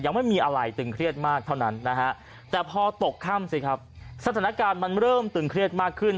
ยังไม่มีอะไรตึงเครียดมากเท่านั้นนะฮะแต่พอตกค่ำสิครับสถานการณ์มันเริ่มตึงเครียดมากขึ้น